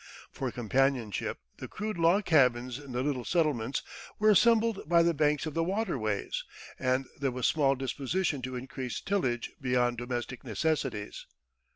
For companionship, the crude log cabins in the little settlements were assembled by the banks of the waterways, and there was small disposition to increase tillage beyond domestic necessities.